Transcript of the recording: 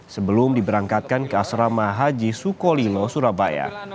sebelum diberangkatkan ke asrama haji sukolilo surabaya